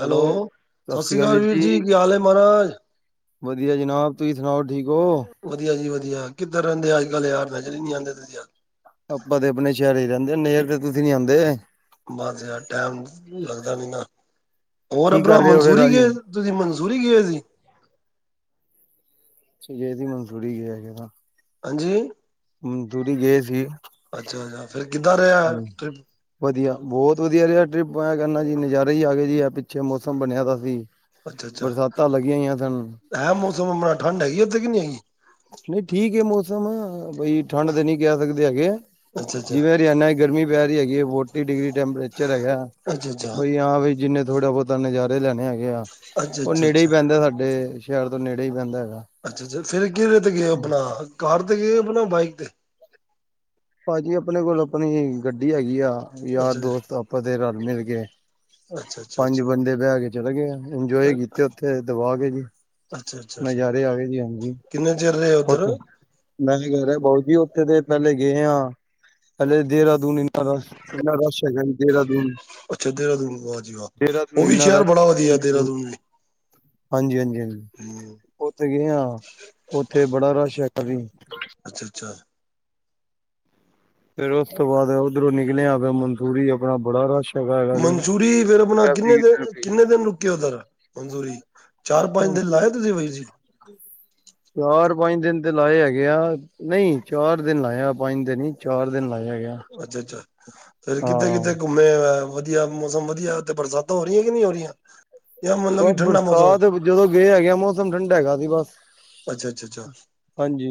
Hello, ਸਤਿ ਸ੍ਰੀ ਅਕਾਲ ਵੀਰ ਜੀ ਕੀ ਹਾਲ ਹੈਮਹਾਰਾਜ ਵਧੀਆ ਜਨਾਬ ਤੁਸੀ ਸੁਣਾਓ ਠੀਕ ਹੋ। ਵਧੀਆ ਜੀ ਵਧੀਆ ਕਿਧਰ ਰਹਿੰਦੇ ਅਜ -ਕਲ ਯਾਰ ਨਜ਼ਰਰੀ ਨੀ ਆਉਦੇਸੀ ਯ ਆਪਾਂ ਤੇ ਆਪਣੇ ਸ਼ਹਿਰੇ ਰਹਿੰਦੇ ਆ ਨੇਰ ਤੇ ਤੁਸੀ ਨੀ ਆਉਦੇ ਬਸ ਯਾਰ ਟਾਈਮ ਲੱਗਦਾ ਨ ਹੋਰ ਕੀ ਕਰ ਆਪਣਾ ਰਹੇ ਹੋ ਫੇਰ ਮਨਸੂਰੀ ਅੱਜ? ਤੁਸੀ ਮਨਸੁਰੀ ਕੀ ਗਏ ਹੋਏ ਸੀ। ਇਹ ਵੀ ਮਨਸੁਰੀ ਗਿਆ ਸੀ ਨਾਲ ਹਾਂਜੀ ਹੂੰ ਮਨਸੁਰੀ ਗਏ ਸੀ। ਅੱਛਾ- ਅੱਛਾ ਫੇਰ ਕਿੱਦਾਂ ਰਿਹਾ ਹਾਂਜੀ, ਟਿਪ ਵਧੀਆ ਬਹੁਤ ਵਧੀਆ ਰਿਹਾ ਟ੍ਰਿਪ ਮੈ ਕਹਿਦਾ ਜੀ ਨਜ਼ਾਰੇ ਹੀ ਆਗਏ ਜੀ ਆਛਾ ਮੌਸਮ ਬਣਿਆ ਸੀ, ਬਰਸਾਤਾਂ ਲੱਗੀਆਂ ਹੋਈਆਂ ਸਨ ਹੈਂ ਮੌਸਮ ਬੜਾ ਠੰਡ ਹੈਗੀ ਊਥੇ ਕੀ ਨਹੀ ਹੈਗੀ ਨਹੀ- ਠੀਕ ਹੈ ਮੌਸਮ ਬਈ ਠੰਡ ਤਾਂ ਨਹੀ ਕਹਿ ਸਕਦੇ ਹੈਗੇ ਆ ਅੱਛਾ-ਅੱਛਾ, ਜਿਵੇ ਹਰਿਆਣਾ ਗਰਮੀ ਪੈ ਰਹੀ ਹੈਗੀ ਹੈ ਫੋਟੀ ਡਿਗਰੀ ਟੈਂਪਰੇਚਰ ਹੈਗਾ ਅੱਛਾ-ਅੱਛਾ, ਬਈ ਹਾਂ ਵੀ ਜਿਨੇ ਥੋੜਾ ਬਹੁਤ ਤਾਂ ਨਜ਼ਾਰੇ ਲੈਣੇ ਹੈਗੇ ਆ ਉਹ ਨੇੜੇ ਹੀ ਅੱਛਾ-ਅੱਛਾ-ਅੱਛਾ। ਪੈਂਦਾ ਸਾਡੇ ਸ਼ਹਿਰ ਤੋਂ ਨੇੜੇ ਹੀ ਪੈਂਦਾ ਹੈਗਾ ਅੱਛਾ- ਅੱਛਾ ਫੇਰ ਕਿਹੜੇ ਤੇ ਗਏ ਹੋ, ਆਪਣਾ ਕਾਰ ਤੇ ਗਏ ਆਪਣਾ ਬਾਈਕ ਤੇ ਭਾਜੀ ਆਪਣੇ ਕੋਲ ਆਪਣੀ ਗੱਡੀ ਹੈਗੀ ਆ ਯਾਰ ਅੱਛਾ-ਅੱਛਾ, ਦੋਸਤ ਆਪਾਂ ਦੇ ਰਲ ਮਿਲ ਕੇ ਅੱਛਾ-ਅੱਛਾ, ਅੱਛਾ, ਅੱਛਾ-ਅੱਛਾ, ਪੰਜ ਅੱਛਾ। ਬੰਦੇ ਬਹਿ ਕੇ ਚਲੇ ਗਏ, ਇੰਜੋਏ ਕੀਤੇ ਉਥੇ ਦਬਾ ਕੇ ਜੀ ਅੱਛਾ ਅੱਛਾ ਅੱਛਾ, ਨਜ਼ਾਰੇ ਅਏਗ ਜੀ ਹਾਂਜੀ ਕਿੰਨੇ ਚਿਰ ਰਹੇ ਆ ਉਧਰ ਉੱਥੇ ਮੈਂ ਗਰਿ ਬਊ ਜੀ ਉੱਥੇ ਦੇ ਪਹਿਲੇ ਗਏ ਹਾਂ ਹਲੇ ਦੇਹਰਾਦੂਨ ਇਨਾ ਰਸ ਇੰਨਾ ਰਸ਼ ਹੈਗਾ ਦੇਹਰਾਦੂਨ ਅੱਛਾ ਦੇਹਰਾਦੂਨ ਵਾਹ ਜੀ ਵਾਹ ਦੇਹਰਾਦੂਨ ਉਹ ਵੀ ਇੰਨਾ ਸ਼ਹਿਰ ਬੜਾ ਰਸ਼ ਵਧੀਆ ਦੇਹਰਾਦੂਨ ਵੀ ਹਾਂਜੀ -ਹਾਂਜੀ- ਹਾਂਜੀ ਹਮ ਉਥੇ ਗਏ ਹਾਂ ਉੱਥੇ ਬੜਾ ਰਸ਼ ਹੈ ਕ ਵੀ ਅੱਛਾ -ਅੱਛਾ। ਫੇਰ ਉਸ ਤੋਂ ਬਾਅਦ ਉੱਧਰੋਂ ਨਿਕਲਿਆ, ਫਿਰ ਮਨਸਰੀ ਆਪਣਾ ਬੜਾ ਰਸ਼ ਹੈਗਾ ਹੈਗਾ ਸੀ। ਮਨਸੂਰੀ ਫੇਰ ਆਪਣਾ ਟ੍ਰੈਫਿਕ ਕਿੰਨੇ ਹੀ ਦਿਨ- ਟ੍ਰੈਫਿਕ। ਕਿੰਨੇ ਦਿਨ ਰੁਕੇ ਓਧਰ ਮਨਸੂਰੀ ਚਾਰ -ਪੰਜ ਦਿਨ ਲਾਏ ਤੁਸੀਂ ਬਈ ਸੀ। ਚਾਰ ਪੰਜ ਦਿਨ ਤੇ ਲਾਏ ਹੈਗੇ ਆ ਨਹੀਂ ਚਾਰ ਦਿਨ ਲਾਇਆ, ਪੰਜ ਦਿਨ ਹੀ ਚਾਰ ਦਿਨ ਲਾਇਆ ਹੈ। ਅੱਛਾ -ਅੱਛਾ ਫੇਰ ਕਿਥੇ -ਕਿਥੇ ਘੰਮ ਵਧੀਆ ਮੌਸਮ ਵਧੀਆ ਬਰਸਾਤਾਂ ਹੋ ਰਹੀਆਂ ਕਿ ਨਹੀਂ ਹੋ ਰਹੀਆਂ ਜਾਂ ਮਤਲਬ ਕਿ ਬਸ ਠੰਡਾ ਮੌਸਮ ਹੈ ਬਰਸਾਤ ਜਦੋਂ ਗਏ ਹੈਗੇ ਆ ਮੌਸਮ ਠੰਡਾ ਹੈਗਾ ਸੀ ਬਸ ਅੱਛਾ- ਅੱਛਾ ਹਾਂਜੀ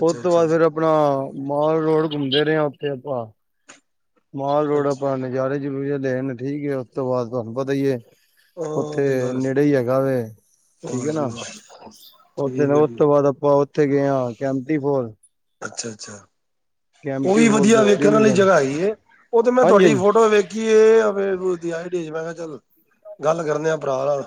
ਉਸ ਤੋਂ ਅੱਛਾ ਬਾਅਦ ਫੇਰ ਅੱਛਾ ਆਪਣਾ ਮਾਲ ਰੋਡ ਘੁੰਮਦੇ ਰਹੇ ਹਾਂ ਉਥੇ ਆਪਾਂ ਮਾਲ ਰੋਡ ਅੱਛਾ ਆਪਾਂ ਨਜ਼ਾਰੇ 'ਚ ਲੈਣ ਠੀਕ ਹੈ, ਉਸ ਤੋਂ ਬਾਅਦ ਤੁਹਾਨੂੰ ਪਤਾਹੀ ਹੈ। ਉਹ ਉਥੇ ਤੇ ਗੱਲ ਨੇੜੇ ਹੀ ਹੈਗਾ ਵੇ ਵਾਹ ਠੀਕ ਹੈ ਜੀ ਨਾ ਵਾਹ ਉਹ ਦਿਨ ਠੀਕ ਹੈ ਉਸਤ ਜੀ ਤੋਂ ਬਾਅਦ ਆਪਾਂ ਉਥੇ ਗਏ ਹਾਂ ਕੈਮਟੀ ਫੋਰ ਅੱਛਾ-ਅੱਛਾ, ਉਹ ਕੈਂਪਟੀ ਵੀ ਫੋਲ ਤੇ ਵਧੀਆ ਹੋਰ ਹੀ ਵੇਖਣ ਆਲੀ ਨਜ਼ਾਰੇ ਜਗ੍ਹਾ ਹੈਗੀ ਏ। ਉਹ ਤੇ ਮੈ ਹਾਂਜੀ ਤੁਹਾਡੀ ਹਾਂਜੀ ਫੋਟੋ ਵੇਖ ਕੀ ਇਹ [unintelligible] ਚੱਲ ਗੱਲ ਕਰਨੇ ਆ ਭਰਾ ਨਾਲ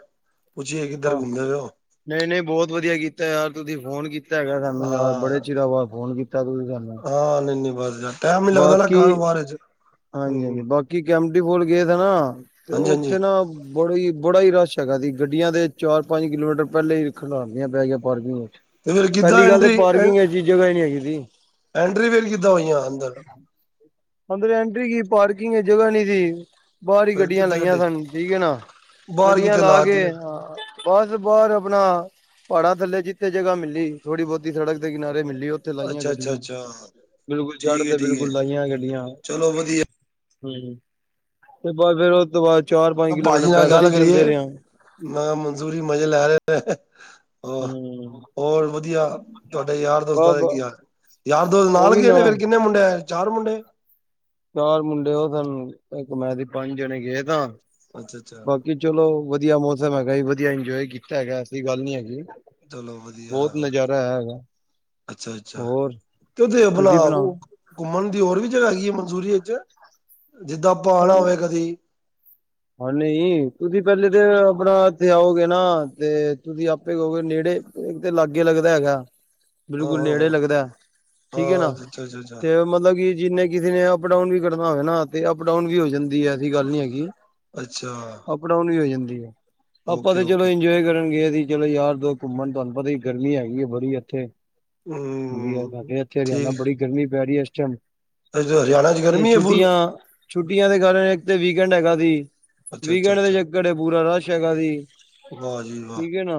ਪੁਛੀਏ ਕਿੱਧਰ ਗੂਮ ਰਏ ਓ। ਨਹੀ-ਨਹੀ ਬਹੁਤ ਵਧੀਆ ਕੀਤਾ ਯਾਰ ਤੁਦੀ ਫ਼ੋਨ ਕੀਤਾ ਹੈਗਾ ਸਾਨੂੰ, ਯਾਰ ਬੜੇ ਹਾਂ ਚਿਰਾਂ ਬਾਅਦ ਫ਼ੋਨ ਕੀਤਾ ਕਦੋਂ ਦੀ ਗੱਲ ਐ? ਹਾਂ ਨੀ ਬਸ ਜਾ ਟੈਮ ਨ ਲੱਗਦਾ ਨਾ ਕਾਰ ਬਾਰੇ 'ਚ ਹਾਂਜੀ- ਹਾਂਜੀ ਬਾਕੀ ਕੈਮਟੀ ਫੋਲ ਗਏ ਸੀ ਨਾ ਤੇ ਹਾਂਜੀ ਹਾਂਜੀ ਉਥੇ ਨਾ ਬੜਾ ਹੀ ਬੜਾ ਹੀ ਰਸ਼ ਹੈਗਾ ਸੀ ਗੱਡੀਆਂ ਦੇ ਚਾਰ ਪੰਜ ਕਿਲੋਮੀਟਰ ਪਹਿਲੇਾਂ ਹੀ ਖਡਾਰਨੀਆਂ ਪੈ ਗਆਂ ਪਾਰਕਿੰਗ ਵਿੱਚ ਤੇ ਫਿਰ ਕਿੱਦਾਂ ਪਹਿਲੀ ਗੱਲ ਤੇ ਐਂਟਰੀ ਪਾਰਕਿੰਗ ਐ ਚੀ ਜਗਾ ਹੀ ਨੀ ਹੈਗੀ ਸੀ। ਐਂਡਰੀ ਵੇਲ ਕਿੱਦਾਂ ਹੋਈਆ ਅੰਦਰ ???? ਅੰਦਰ ਐਂਨਟਰੀ ਹੈਗੀ ਪਾਰਕਿੰਗ ਹੈ ਜਗਾ ਨੀ ਜੀ ਬਾਹਰਰੀ ਫਿਰ ਗੱਡੀਆਂ ਕਿੱਥੇ ਲਾਈਆਂ ਕੱਢੀ ਸਨ ਠੀਕ ਹੈ। ਨਾ ਬਾਹਰ ਗੱਡੀਆਂ ਕਿਤੇ ਲਾ ਕੇ ਤੀ ਫਿਰ? ਬਸ ਬਾਹਰ ਆਪਣਾ ਪਹਾੜਾਂ ਥੱਲੇ ਜਿੱਥੇ ਜਗ੍ਹਾ ਮਿਲੀ ਥੋੜ੍ਹੀ ਬਹੁਤੀ ਸੜਕ ਦੇ ਕਿਨਾਰੇ ਮਿਲੀ ਉਥੇ ਲਾਈਆਂ ਅੱਛਾ ਅੱਛਾ ਗੱਡੀਆਂ ਅੱਛਾ ਬਿਲਕੁਲ ਜੜ੍ਹ ਠੀਕ ਹੈ ਤੇ ਠੀਕ ਬਿਲਕੁਲ ਹੈ ਲਾਈਆਂ ਗੱ ਹਮ ਚਲੋ ਵਧੀਆ ਤੇ ਫੇਰ ਉਹ ਤੋਂ ਬਾਅਦ ਚਾਰ ਪੰਜ ਕਿਲੋਮੀਟਰ ਪੈਦਲ ਹੀ ਚੱਲਦੇ ਰਿਹਾ। ਨਾ ਮਨਸੂਰੀ ਮਜ਼ੇ ਲੈ ਰਹੇ ਨੇ ਉਹ। ਹੂੰ। ਹੋਰ ਵਧੀਆ ਤੁਹਾਡੇ ਯਾਰ ਦੋਸਤਾਂ ਦੇ ਬ ਗਿਆ ਯਾਰ ਦੋਸਤ ਉਹ ਨਾਲ ਵੀ ਗ ਨਾ ਨੇ ਫੇਰ ਕਿੰਨੇ ਮੁੰਡੇ ਆਏ। ਚਾਰ ਮੁੰਡੇ। ਚਾਰ ਮੁੰਡੇ ਉਹ ਸਨ ਇੱਕ ਮੈਂ ਦੇ ਪੰਜ ਜਣੇ ਗਏ ਤਾਂ ਅੱਛਾ ਅੱਛਾ। ਕਿ ਚਲੋ ਵਧੀਆ ਮੌਸਮ ਹੈਗਾ ਵਧੀਆ ਇੰਜੋਏ ਕੀਤਾ ਹੈਗਾ ਐਸੀ ਗੱਲ ਨੀ ਹੈਗੀ। ਚਲੋ ਵਧੀਆ। ਬਹੁਤ ਹੋਰ ਕੀ ਨਜ਼ਾਰਾ ਹੈ ਹੈਗਾ। ਅੱਛਾ ਅੱਛਾ ਹੋਰ ਤੇ ਉਹਦੇ ਬਣਾ ਤੁਸੀਂ ਬਣਾਓ। ਘੁੰਮਣ ਦੀ ਹੋਰ ਵੀ ਜਗ੍ਹਾ ਹੈਗੀ ਹੈ। ਮਨਸੂਰੀ ਜਿੱਦਾਂ ਪਾਣਾ ਹੋਵੇ ਕਦੀ ਹਾਂ ਨਹੀਂ ਤੁਸੀਂ ਪਹਿਲੇ ਤੇ ਆਪਣਾ ਇੱਥੇ ਆਓਗੇ ਨਾ ਤੇ ਤੁਸੀਂ ਆਪੇ ਕਹਓਗੇ ਨੇੜੇ ਇੱਕ ਤੇ ਲਾਗੇ ਲੱਗਦਾ ਹੈਗਾ। ਹਾਂ ਬਿਲਕੁਲ ਹਾਂ ਨੇੜੇ ਲੱਗਦਾ ਹਾਂ ਠੀਕ ਹੈ ਹਾਂ ਨਾ ਅੱਛਾ ਅੱਛਾ ਅੱਛਾ ਤੇ ਮਤਲਬ ਕਿ ਜਿੰਨੇ। ਕਿਸੇ ਨੇ ਅਪ ਡਾਊਨ ਵੀ ਕਰਨਾ ਹੋਵੇ ਨਾ ਤੇ ਅਪ ਡਾਊਨ ਵੀ ਹੋ ਜਾਂਦੀ ਹੈ। ਐਸੀ ਗੱਲ ਨੀ ਹੈਗੀ। ਅੱਛਾ। ਅਪਡਾਊਨ ਵੀ ਹੋ ਜਾਂਦੀ ਆਪਾਂ ਓਕੇ ਤੇ ਚਲੋ ਓਕੇ ਇੰਜੋਏ ਕਰਨਗੇ ਸੀ। ਚਲੋ ਯਾਰ ਦੋਸਤ ਘੁੰਮਣ ਤੁਹਾਨੂੰ ਪਤਾ ਹੀ ਗਰਮੀ ਹੈਗੀ ਹੈ ਬੜੀ ਇੱਥੇ। ਹਾਂਜੀ ਹਮ ਇਥੇ ਹਰਿਆਣਾ ਠੀਕ ਬੜੀ ਗਰਮੀ ਪੈ ਰਹੀ ਹੈ ਇਸ ਟਾਈਮ। ਅੱਛਾ ਹਰਿਆਣਾ ਚ ਤੇ ਗਰਮੀ ਹੈ ਫੁੱਲ ਛੁੱਟੀਆਂ ਛੁੱਟੀਆਂ ਦੇ ਕਾਰਨ ਇੱਕ ਤੇ ਵੀਕਐਂਡ ਹੈਗਾ ਸੀ। ਅੱਛਾ ਅੱਛਾ ਵੀਕਐਂਡ ਦੇ ਅੱਛਾ ਚੱਕਰ ਚ ਪੂਰਾ ਰਸ਼ ਹੈਗਾ ਸੀ। ਵਾਹ ਜੀ ਵਾਹ ਠੀਕ ਹੈ ਨਾ।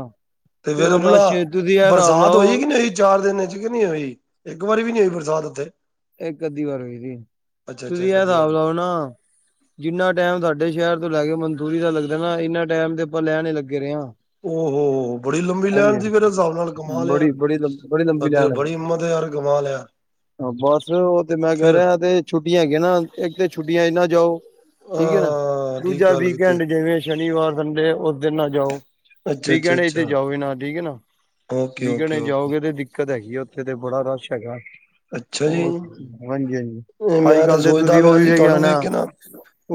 ਤੇ ਫੇਰ ਉਹ ਭਲਾ ਰਸ਼ ਤੁਸੀਂ ਇਹ ਹਿਸਾਬ ਬਰਸਾਤ ਹੋਈ ਲਾਓ ਕਿ ਨਹੀਂ? ਚਾਰ ਦਿਨ ਚ ਕਿ ਨਹੀਂ ਹੋਈ ਇੱਕ ਵਾਰੀ ਵੀ ਨੀ ਹੋਈ ਬਰਸਾਤ ਉੱਥੇ? ਇੱਕ ਅੱਧੀ ਵਾਰ ਹੋਈ ਹ ਅੱਛਾ ਅੱਛਾ ਤੁਸੀਂ ਇੱਕ ਇਹ ਅੱਧੀ ਹਿਸਾਬ ਵਾਰ ਲਾਓ ਨਾ। ਜਿੰਨਾ ਟਾਈਮ ਸਾਡੇ ਸ਼ਹਿਰ ਤੋਂ ਲੈ ਕੇ ਮਨਸੂਰੀ ਦਾ ਲੱਗਦਾ ਨਾ ਇਨਾ ਟਾਈਮ ਤੇ ਆਪਾਂ ਲੈਣ ਹੀ ਲੱਗੇ ਰਹੇ ਹਾਂ। ਓ ਹੋ ਹੋ ਬੜੀ ਲੰਬੀ ਲਾਈਨ ਸੀ ਫਿਰ ਇਸ ਹਾਂਜੀ। ਹਿਸਾਬ ਨਾਲ ਕਮਾਲ ਹੈ ਯਾਰ ਬੜੀ ਬੜੀ ਲੰ ਬੜੀ ਲੰਬੀ ਬੰਦੇ ਲਾਈਨ ਚ ਬੜੀ ਹੈਗੀ। ਹਿੰਮਤ ਆ ਯਾਰ ਕਮਾਲ ਹੈ ਯਾਰ। ਬਸ ਉਹ ਤੇ ਮੈਂ ਕਹਿ ਫਿਰ ਰਿਹਾ ਤੇ ਛੁੱਟੀਆਂ ਹੈਗੀਆਂ ਨਾ ਇੱਕ ਤੇ ਛੁੱਟੀਆਂ ਹੀ ਨਾ ਜਾਓ। ਠੀਕ ਹੈ ਨਾ ਅਹ ਠੀਕ ਦੂਜਾ ਗੱਲ ਕੀਤੀ ਵੀਕਐਂਡ ਜਿਵੇਂ ਸ਼ਨੀਵਾਰ ਸੰਡੇ ਉਸ ਦਿਨ ਨਾਲ ਜਾਓ। ਅੱਛਾ ਅੱਛਾ ਵੀਕਐਂਡ ਇਚ ਤੇ ਅੱਛਾ ਜਾਓ ਨਾ ਠੀਕ ਹੈ। ਨਾ ਓਕੇ ਵੀਕਐਂਡ ਓਕੇ ਓਕੇ ਜਾਓਗੇ ਤੇ ਦਿੱਕਤ ਹੈਗੀ ਆ ਉੱਥੇ ਤੇ ਬੜਾ ਰਸ਼ ਹੈਗਾ। ਅੱਛਾ ਜੀ ਉਹ ਹਾਂਜੀ ਹਾਂਜੀ ਅੱਜ ਮੈਂ ਕੱਲ ਤੇ ਸੋਚਦਾ ਤੁਸੀਂ ਉਹ ਪਿਆ ਵੀ ਸੀ ਵੀ ਤੁਹਾਨੂੰ ਗਿਆਣਾ। ਵੇਖ ਕੇ ਨਾ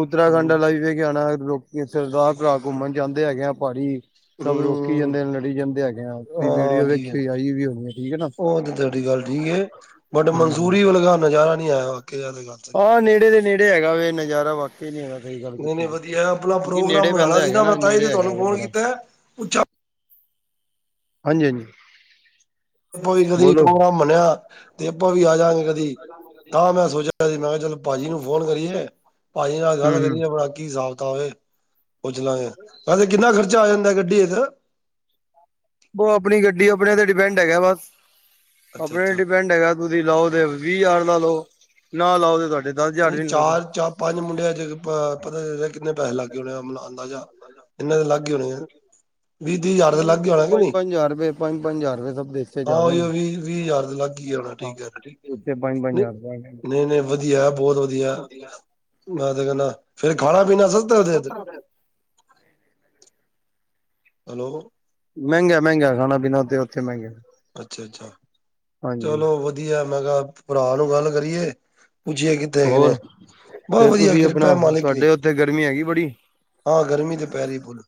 ਉੱਤਰਾਖੰਡ ਹੂੰ ਆਲਾ ਵੀ ਵੇਖਿਆ ਹੋਣਾ ਲੋਕ ਸਰਦਾਰ ਭਰਾ ਘੁੰਮਣ ਜਾਂਦੇ ਹੈਗੇ ਆ ਪਹਾੜੀ। ਸਭ ਰੋਕੀ ਹੂੰ ਜਾਂਦੇ ਲੜੀ ਜਾਂਦੇ ਹੈਗੇ ਆ ਹਾਂ ਵੀਡੀਓ ਠੀਕ ਹੈ ਵੇਖੀ ਆਈ ਵੀ ਹੋਣੀ ਆ ਠੀਕ ਹੈ ਨਾ। ਉਹ ਤੁਹਾਡੀ ਗੱਲ ਠੀਕ ਏ ਬਟ ਮਨਸੂਰੀ ਵ ਲਗਾ ਨਜ਼ਾਰਾ ਨਹੀਂ ਆਇਆ ਵਾਕਿਆ ਜਾ ਗਲਤ ਹਾਂ ਨੇੜੇ ਦੇ ਨੇੜੇ। ਹੈਗਾ ਵ ਨਜ਼ਾਰਾ ਬਾਕੀ। ਨ ਸਹੀ ਗੱਲ ਨਹੀਂ ਕੀਤੀ ਨਹੀਂ ਵਧੀਆ ਆਪਣਾ ਕਿਉਂਕਿ ਪ੍ਰੋਗਰਾਮ ਨੇੜੇ ਬਣਾਣਾ ਪੈਂਦਾ ਸੀ ਹੈਗਾ ਨਾ ਮੈਂ ਤਾਂ ਹੀ ਨੇੜੇ ਤੇ ਹੈਗਾ ਤੁਹਾਨੂੰ ਫੋਨ ਬੜਾ। ਕੀਤਾ ਪੁੱਛਾਂ ਹਾਂਜੀ ਹਾਂਜੀ। ਆਪਾਂ ਵੀ ਕਦੀ ਬੋਲੋ ਪ੍ਰੋਗਰਾਮ ਬਨਿਆ ਤੇ ਆਪਾਂ ਵੀ ਆ ਜਾਗੇ ਕਦੀ, ਤਾਂ ਮੈਂ ਸੋਚਿਆ ਮੈਂ ਕਿਹਾ ਚਲ ਭਾਜੀ ਨੂੰ ਫੋਨ ਕਰੀਏ, ਭਾਜੀ ਨਾਲ ਹੂੰ ਗੱਲ ਹੂੰ ਕਰੀਏ ਆਪਣਾ ਕੀ ਹਿਸਾਬ ਕਿਤਾਬ ਏ ਪੁੱਛਲਾਂਗੇ, ਵੈਸੇ ਕਿੰਨਾ ਖਰਚਾ ਆ ਜਾਂਦਾ ਗੱਡੀ ਦਾ ਉਹ ਆਪਣੀ ਗੱਡੀ ਆਪਣੇ ਤੇ ਡਿਪੈਂਡ ਹੈਗਾ ਬਸ, ਅੱਛਾ ਆਪਣੇ ਅੱਛਾ ਡਿਪੈਂਡ ਹੈਗਾ। ਤੁਸੀ ਲਾਓ ਤੇ ਵੀਹ ਹਜ਼ਾਰ ਲਾ ਲਓ, ਨਾ ਲਾਓ ਤੇ ਤੁਹਾਡੇ- ਦਸ ਹਜ਼ਾਰ ਨਹੀਂ ਵੀ ਨੀ ਲੱਗਦੇ ਚਾਰ ਚ- ਪੰਜ ਮੁੰਡਿਆਂ ਚ ਪਤਾ ਤੇ ਲੱਗੇ ਕਿੰਨੇ ਪੈਸੇ ਲੱਗ ਗਏ ਹੋਣੇ ਆ ਮਤਲਬ ਅੰਦਾਜਾ, ਇਹਨਾਂ ਦੇ ਲਗ- ਕੀ ਹੋਣੀ ਆ ਵੀਹ ਤੀਹ ਹਜਾਰ ਤੇ ਲੱਗ ਨਹੀਂ ਗਿਆ ਹੋਣਾ ਕਿ ਪੰਜ ਨਹੀਂ, ਪੰਜ ਹਜ਼ਾਰ ਰੁਪਏ ਪੰਜ ਪੰਜ ਹਜ਼ਾਰ ਰੁਪਏ ਸਭ ਦੇ ਦਿੱਤੇ ਹਾਂ ਜਾ ਰਹੇ ਉਹੀਓ ਵੀਹ ਵੀਹ ਹਜਾਰ ਤੇ ਲੱਗ ਹੀ ਗਿਆ ਹੋਣਾ। ਹਾਂ ਠੀਕ ਐ, ਉੱਥੇ ਪੰਜ-ਪੰਜ ਹਜ਼ਾਰ ਦਾ ਨਹੀਂ ਨਹੀਂ ਵਧੀਆ ਬ ਬਹੁਤ ਵਧੀਆ, ਮੈਂ ਤੇ ਕਹਿੰਦਾ ਫੇਰ ਖਾਣਾ ਪੀਣਾ ਸਭ- ਹਾਂ ਹੈਲੋ ਮਹਿੰਗਾ ਮਹਿੰਗਾ ਖਾਣਾ ਪੀਣਾ ਉਥੇ ਉਥੇ ਮਹਿੰਗਾ ਅੱਛਾ ਅੱਛਾ ਹਾਂਜੀ ਚਲੋ ਵਧੀਆ ਮੈਂ ਕਿਹਾ ਭਰਾ ਨੂੰ ਗੱਲ ਕਰੀਏ, ਪੁੱਛੀਏ ਕਿ ਹੋਰ ਬਹੁਤ ਫੇਰ ਵਧੀਆ ਤੁਸੀਂ ਕਿਰਪਾ ਆਪਣਾ ਹ ਮਾਲਿਕ ਦੀ, ਤੁਹਾਡੇ ਉੱਥੇ ਗਰਮੀ ਹੈਗੀ ਬੜੀ ਹਾਂ ਗਰਮੀ ਤੇ ਪੈ ਰਹੀ ਫੁੱਲ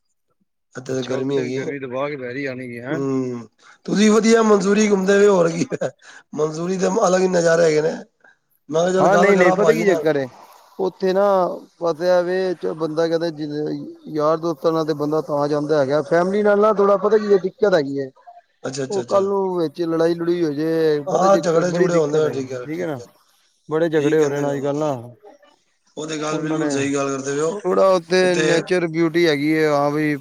ਇਥੇ ਤੇ ਅੱਛਾ ਗਰਮੀ ਉੱਥੇ ਵੀ ਹੈਗੀ ਆ, ਦਬਾ ਕੇ ਪੈ ਰਹੀ ਆਣੀ ਕਿ ਹੈਂ ਹਮ ਤੁਸੀਂ ਵਧੀਆ ਮਨਸੂਰੀ ਘੁੰਮਦੇ ਹੋਏ ਹੋਰਕੀ ਮਨਸੂਰੀ ਦੇ ਅਲੱਗ ਹੀ ਨਜ਼ਾਰੇ ਹੈਗੇ ਨੇ ਮੈਂ ਕਿਹਾ ਚੱਲ ਹਾਂ ਗੱਲ ਨਹੀਂ ਨਹੀਂ ਕਰਾਂ ਪਤਾ ਭਾਜੀ ਕੀ ਨਾਲ ਚੱਕਰ ਏ- ਉੱਥੇ ਨਾ ਪਤਾ ਇਹ ਵੈ, ਜੇ ਬੰਦਾ ਕਹਿੰਦਾ ਜਿੰ ਯਾਰ ਦੋਸਤਾਂ ਨਾਲ ਤੇ ਬੰਦਾ ਤਾਂ ਜਾਂਦਾ ਹੈਗਾ, ਫੈਮਿਲੀ ਨਾਲ ਥੋੜ੍ਹਾ ਪਤਾ ਕੀ ਹੈ ਦਿੱਕਤ ਹੈਗੀ ਹੈ। ਅੱਛਾ ਅੱਛਾ ਉਹ ਅੱਛਾ ਕੱਲ ਨੂੰ ਵਿੱਚ ਲੜਾਈ ਲੜੂਈ ਹੋਜੇ ਪਤਾ ਹਾਂ ਜੇ ਝਗੜੇ ਬੜੀ ਝੁਗੜੇ ਦਿੱਕਤ ਹੁੰਦੇ ਨੇ ਹੈਗੀ, ਠੀਕ ਹੈ ਨਾ ਬੜੇ ਠੀਕ ਝਗੜੇ ਹੋ ਰਹੇ ਕਹਿੰਦੇ ਨੇ ਪਏ ਅੱਜ ਕੱਲ੍ਹ ਨਾ ਉਹ ਤੇ ਗੱਲ ਉਹਨਾਂ ਨੇ, ਬਿਲਕੁਲ ਸਹੀ ਗੱਲ ਕਰਦੇ ਪਏ ਹੋ ਥੋੜਾ ਉੱਥੇ ਉਥੇ ਨੈਚਰ ਬਿਊਟੀ- ਟੀ ਹੈਗੀ, ਹਾਂ ਵੀ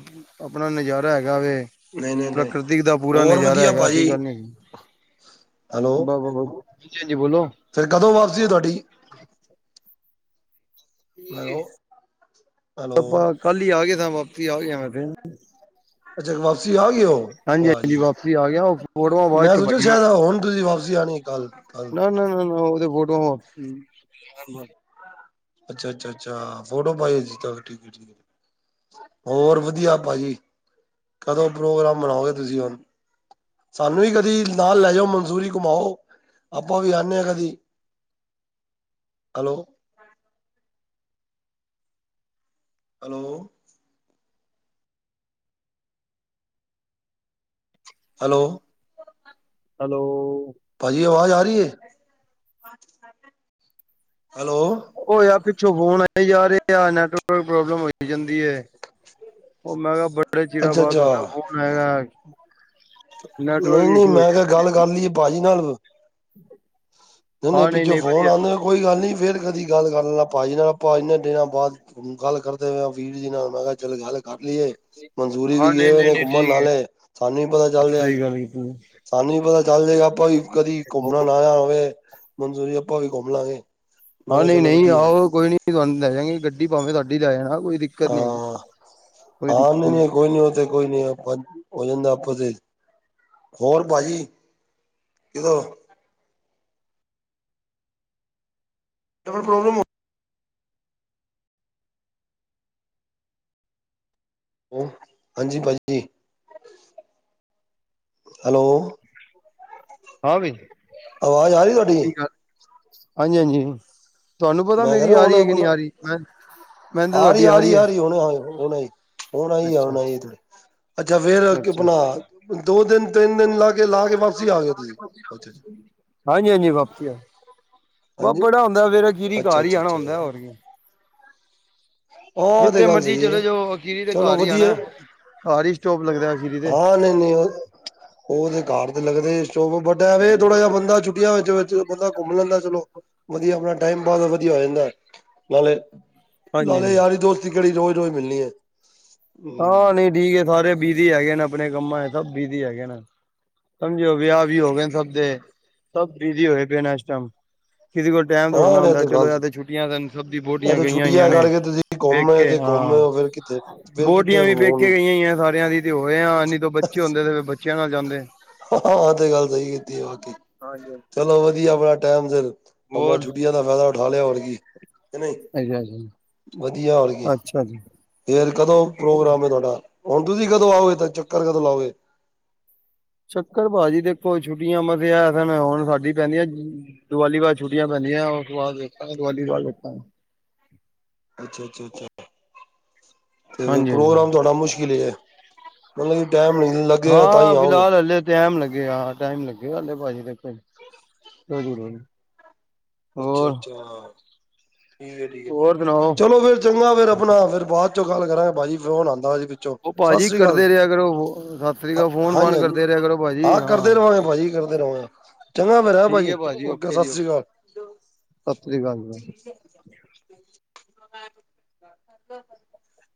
ਆਪਣਾ ਨਜ਼ਾਰਾ ਹੈਗਾ ਵ- ਨਹੀਂ ਨਹੀਂ ਨਹੀਂ ਪ੍ਰਕ੍ਰਿਤਿਕ ਦਾ ਪੂਰਾ ਹੋਰ ਨਜ਼ਾਰਾ ਵਧੀਆ ਹੈਗਾ, ਭਾਜੀ ਐਸੀ ਗੱਲ ਨਹੀਂ- ਵ ਹਾਂ, ਹਾਂਜੀ ਬੋਲੋ- ਫਿਰ ਕਦੋਂ ਵਾਪਸੀ ਹੋ ਤੁਹਾਡੀ- ਹੈਲੋ ਹੈਲੋ ਆਪਾਂ ਕੱਲ ਹੀ ਆ ਗਏ ਸਾ, ਵਾਪਸੀ ਆ ਗਿਆ ਮੈਂ- ਤੇ ਅੱਛਾ ਵਾਪ- ਸੀ ਆ ਗਏ ਉਹ, ਹਾਂਜੀ ਵਾਹ ਜੀ ਹਾਂਜੀ ਵਾਹ, ਵਾਪਸੀ ਆ ਗਿਆ ਉਹ ਫੋਟੋਆਂ ਬਾਅਦ ਮੈਂ ਚ ਸੋਚਿਆ ਪਾਈਆਂ ਸ਼ਾਇਦ ਹੁਣ ਤੁਸੀਂ ਵਾਪਸੀ ਆਉਣੀ ਕੱਲ- ਕੱਲ ਨਾ ਨਾ ਨਾ ਨਾ, ਉਹ ਫੋਟੋ ਹੈ ਅੱਛਾ ਅੱਛਾ ਅੱਛਾ, ਫੋਟੋ ਪਾਈ- ਹੋਰ ਵਧੀਆ ਭਾਜੀ, ਕਦੋਂ ਪ੍ਰੋਗਰਾਮ ਬਨਾਓਗੇ ਤੁਸੀਂ ਹੁਣ ਸਾਨੂੰ ਵੀ ਕਦੀ ਨਾਲ ਲੈ ਜਾਓ, ਮਨਸੂਰੀ ਘੁਮਾਓ ਆਪਾਂ ਵੀ ਆਉਨਦੇ ਹਾਂ ਕਦੀ, ਹੈਲੋ ਹੈਲੋ ਹੈਲੋ ਹੈਲੋ ਭਾਜੀ ਆਵਾਜ਼ ਆ ਰਹੀ ਹੈ, ਹੈਲੋ ੳ ਯਾਰ, ਪਿੱਛੋਂ ਫੋਨ ਆਏ ਜਾ ਰਹੇ ਆ ਨੈਟਵਰਕ ਪ੍ਰੋਬਲਮ ਹੋਈ ਜਾਂਦੀ ਹੈ। ਉਹ ਮੈਂ ਕਿਹਾ ਬੜੇ ਚਿਰਾਂ ਅੱਛਾ ਬਾਅਦ ਅੱਛਾ ਤੁਹਾਡਾ ਫੋਨ ਆਇਆ। ਨੈਟਵਰਕ ਨਹੀਂ ਨਹੀਂ ਇਸ਼ੂ ਹੋਈ ਮੈਂ ਕਿਹਾ ਗੱਲ ਕਰ ਲਈਏ, ਭਾਜੀ ਨਾਲ ਨਹੀਂ ਨਹੀਂ ਪਿੱਛੋਂ ਫੋਨ ਆਉਂਦੇ ਕੋਈ ਗੱਲ ਨੀ ਫੇਰ ਕਦੀ ਗੱਲ ਕਰ ਲੈਣਾ, ਭਾਜੀ ਨਾਲ ਭਾਜੀ ਨਾਲ ਦਿਨਾਂ ਬਾਅਦ ਗੱਲ ਕਰਦੇ ਪਏ ਆਂ ਵੀਰ ਜੀ ਨਾਲ ਮੈਂ ਕਿਹਾ ਚੱਲ ਗੱਲ ਕਰ ਲਈਏ ਮਨਸੂਰੀ ਹਾਂ ਵੀ ਗਏ ਨਹੀਂ ਹੋਏ ਨਹੀਂ ਨੇ ਨਹੀਂ ਘੁੰਮਣ ਠੀਕ ਹੈ ਨਾਲੇ, ਸਾਨੂੰ ਵੀ ਪਤਾ ਚੱਲ ਜਾਏ- [inaudible] ਸਾਨੂੰ ਵੀ ਪਤਾ ਚੱਲ ਜਾਏਗਾ, ਆਪਾਂ ਵੀ ਕਦੀ ਘੁੰਮਣ ਆਣਾ ਹੋਵੇ ਮਨਸੂਰੀ, ਆਪਾਂ ਵੀ ਘੁੰਮ ਲਾਂਗੇ। ਮੈਂ ਹਾਂ ਕਿਹਾ ਚਲੋ ਨਈ-ਨਈ ਵਧੀਆ ਆਓ ਕੋਈ ਨੀ ਅਸੀਂ ਤੁਹਾਨੂੰ ਲੈ ਜਾਂਗੇ ਗੱਡੀ ਭਾਵੇਂ ਸਾਡੀ ਲੈ ਜਾਣਾ ਕੋਈ ਦਿੱਕਤ ਨੀ ਹੈਗੀ। ਕੋਈ ਹਾਂ, ਦਿੱਕਤ ਨਹੀਂ-ਨਹੀਂ ਕੋਈ ਨੀ, ਓ ਤੇ ਕੋਈ ਨੀ। ਹੋ ਜਾਂਦੈ ਆਪੇ ਤੇ ਹੋਰ ਭਾਜੀ ਕਿਉ? ਪ੍ਰਬੌਲਮ ਹੋ ਹਾਂਜੀ, ਭਾਜੀ। ਹੈਲੋ ਹਾਂ ਵੀ, ਆਵਾਜ਼ ਆ ਰਹੀ ਤੁਹਾਡੀ ਹਾਂਜੀ-ਹਾਂਜੀ। ਤੁਆਨੂੰ ਪਤਾ ਮੈਂ ਕਹਿ ਮੇਰੀ ਰਿਹਾ ਆ ਹੁਣ ਰਈ ਐ ਕਿ ਨਈ ਆਪਣਾ ਆ ਰਹੀ ਮੈਂ ਮੈਨੂੰ ਤਾਂ ਆ ਰਈ, ਤੁਹਾਡੀ ਆ ਰਹੀ ਰਈ, ਹੈ ਆ ਰਈ ਆ, ਹੁਣ ਆਈ ਹੁਣ ਆਈ ਅੱਛਾ ਆਈ ਏ। ਅੱਛਾ ਅੱਛਾ, ਫੇਰ ਕਿ ਅੱਛਾ ਆਪਣਾ ਦੋ ਦਿਨ ਤਿੰਨ ਦਿਨ ਲਾ ਕੇ ਲਾ ਕੇ ਵਸ ਅਸੀਂ ਆਗੇ ਤੁਸੀਂ ਅੱਛਾ-ਅੱਛਾ। ਬ ਬੜਾ ਹੁੰਦਾ ਫੇ ਖੀਰੀ ਅੱਛਾ ਘਰ ਈ ਅੱਛਾ ਆਣਾ ਅੱਛਾ ਅੱਛਾ, ਹੁੰਦਾ ਹੋਰ ਕੀ ਹਾਂ ਤੇ ਜਿੱਥੇ ਗੱਲ ਮਰਜੀ ਸਹੀ ਹੈ ਚਲੇ ਜਾਓ ਅਖੀਰੀ ਤੇ ਚਲੋ ਘਰ ਹੀ ਵਧੀਆ ਆਣਾ ਘਰ ਹੀ ਸਟੋਪ ਲੱਗਦਾ। ਅਖੀਰੀ ਤੇ ਹਾਂ ਨਈ ਓਹ ਉਹਦੇ ਘਰ ਤੇ ਲੱਗਦੇੋ ਵੱਡਾ ਵ ਥੋੜਾ ਜਿਆ ਬੰਦਾ ਛੁੱਟੀਆਂ ਵਿੱਚ ਬੰਦਾ ਘੁੰਮ ਲੈਂਦਾ ਚਲੋ, ਵਧੀਆ ਆਪਣਾ ਟਾਈਮ ਪਾਸ ਵਧੀਆ ਹੋ ਜਾਂਦਾ ਨਾਲੇ ਹਾਂਜੀ ਨਾਲੇ ਹਾਂਜੀ ਯਾਰੀ ਦੋਸਤੀ ਕੇੜੀ ਰੋਜ਼-ਰੋਜ਼ ਮਿਲਣੀ ਐ। ਹਾਂ ਨਈਠੀਕ ਹੈ, ਸਾਰੇ ਬਿਜੀ ਹੈਗੇ ਨੇ ਆਪਣੇ ਕੰਮਾਂ ਚ ਸਭ ਬਿਜੀ ਹੈਗੇ ਨੇ। ਸਮਝਿਓ ਵਿਆਹ ਵੀ ਹੋ ਗਏ ਨੇ, ਸਭ ਦੇ ਸਭ ਬਿਜ਼ੀ ਹੋਏ ਪਏ ਨੇ ਇਸ ਟਾਈਮ ਕਿ ਕੋ ਟਾਈਮ ਥੋੜੇ ਹਾਂ ਨਾ ਇਹ ਹੁੰਦਾ, ਗੱਲ ਚਲੋਓ ਤੇ ਛੁੱਟੀਆ ਚ ਸਭ ਦੀਆ ਇਹ ਬਹੁਟੀਆਂ ਤੇ ਗਈਆਂ ਹੋਈਆਂ ਛੁੱਟੀਆਂ ਨੇ ਕਰਕੇ ਤੁਸੀਂ ਘੁੰਮੇ ਪੇਕੇ ਘੁੰਮੇ ਹਾਂ। ਹੋ ਫਿਰ ਤੇ ਫਿਰ ਬਹੁਟੀਆਂ ਕਿੱਥੇ ਵੀ ਪੇਕੇ ਹੁਣ ਕੇ ਗਈਆਂ ਈ ਆ ਸਾਰਿਆਂ ਦੀ ਆ ਤੇ ਹੋਏ ਆ ਨਈ ਤਾਂ ਬੱਚੇ ਹੁੰਦੇ ਤੇ ਫੇਰ ਬੱਚਿਆਂ ਨਾਲ ਜਾਂਦੇ। ਹਾਂ, ਤੇ ਗੱਲ ਸਹੀ ਕੀਤੀ ਆ ਬਾਕੀ ਹਾਂਜੀ ਚਲੋ, ਵਧੀਆ ਆਪਣਾ ਟਾਈਮ ਫਿਰ ਆਪਣਾ ਛੁੱਟੀਆਂ ਦਾ ਫਾਇਦਾ ਉਠਾ ਲਿਆ ਹੋਰ ਕੀ ਨਹੀਂ ਅੱਛਾ-ਅੱਛਾ। ਵਧੀਆ ਹੋਰ ਕੀ, ਫੇਰ ਕਦੋਂ ਪ੍ਰੋਗਰਾਮ ਹੈ ਤੁਆਡਾ ਹੁਣ ਤੁਸੀਂ ਕਦੋਂ ਆਓਗੇ ਤਾਂ ਚੱਕਰ ਕਦੋਂ ਲਾਓਗੇ। ਚੱਕਰ ਭਾਜੀ ਦੇਖੋ, ਛੁੱਟੀਆਂ ਮਸੇ ਆ ਹੁਣ ਸਾਡੀ ਪੈਂਦੀਆਂ। ਦੀਵਾਲੀ ਬਾਅਦ ਛੁੱਟੀਆ ਪੈਂਦੀਆਂ ਓਸ ਤੋਂ ਬਾਅਦ ਵੇਖਾਂਗੇ ਦੀਵਾਲੀ ਤੋਂ ਬਾਅਦ ਵੇਖਾਂਗੇ। ਅੱਛਾ, ਅੱਛਾ, ਅੱਛਾ ਤੇ ਫਿਰ ਹਾਂਜੀ ਹਾਂਜੀ ਹਾਂਜੀ। ਪ੍ਰੋਗਰਾਮ ਤੁਆਡਾ ਮੁਸ਼ਕਿਲ ਈ ਐ ਮਤਲਬ ਜੇ ਟਾਈਮ ਨਹੀ ਲੱਗੇਗਾ ਤਾਂ ਨੀ ਆਓਗੇ। ਫਿਲਹਾਲ ਹਲੇ ਟਾਈਮ ਲੱਗੇਗਾ ਹਾਂ ਟਾਈਮ ਲੱਗੇਗਾ, ਹਜੇਭਾਜੀ ਟਾਈਮ ਲੱਗੇਗਾ, ਕਿਉਂ ਝੂਠ ਬੋਲਣਾ। ਅੱਛਾ-ਅੱਛਾ ਠੀਕ ਐ ਠੀਕ ਹੋਰ ਸੁਣਾਓ? ਚਲੋ ਫੇਰ ਚੰਗਾ ਫੇਰ ਆਪਣਾ ਫੇਰ ਬਾਅਦ ਆਪਾ ਬਾਅਦ ਚ ਗੱਲ ਕਰਾਂਗੇ, ਭਾਜੀ ਪਿੱਛੋਂ ਫੋਨ ਆਉਂਦਾ ਜੀ ਉਹ ਸਸ ਭਾਜੀ ਸ੍ਰੀ ਅਕਾਲ ਕਰਦੇ ਰਿਹਾ ਕਰੋ ਸਤਿ ਸ੍ਰੀ ਅਕਾਲ ਫੋਨ ਫਾਨ ਹਾਂਜੀ-ਹਾਂਜੀ ਕਰਦੇ ਰਿਹਾ ਕਰੋ ਭਾਜੀ ਹਾ ਕਰਦੇ ਹਾਂ ਰਹਾਂਗੇ, ਭਾਜੀ ਕਰਦੇ ਰਵਾਂਗੇ। ਚੰਗਾ ਫੇਰ ਠੀਕ ਭਾਜੀ ਹੈ ਓ ਕੇ ਓਕੇ ਜੀ ਸਤਿ ਸ੍ਰੀ ਓਕੇ ਅਕਾਲ। ਸਤਿ ਸ੍ਰੀ ਅਕਾਲ ਜੀ। [unintelligible]